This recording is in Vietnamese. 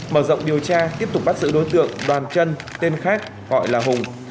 mở rộng điều tra tiếp tục bắt giữ đối tượng đoàn chân tên khác gọi là hùng